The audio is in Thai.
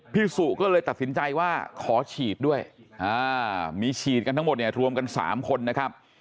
พี่สุก็เลยตัดสินใจว่าขอฉีดด้วยมีฉีดกันทั้งหมดเนี่ยรวมกัน๓คนนะครับ